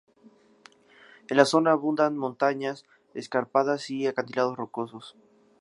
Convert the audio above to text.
En la zona abundan montañas escarpadas y acantilados rocosos.